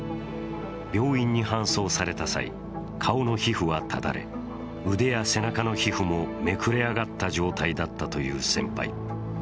病院に搬送された際、顔の皮膚はただれ、腕や背中の皮膚もめくれ上がった状態だったという先輩。